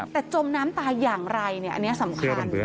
แต่จมน้ำตายอย่างไรอันนี้สำคัญ